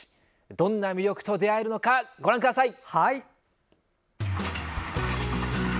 どんな魅力と出会えるのかご覧ください。